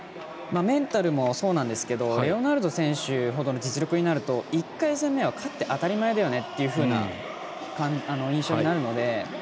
メンタルもそうなんですがレオナルド選手ほどの実力になると１回戦目は勝って当たり前だよねというような印象になるので。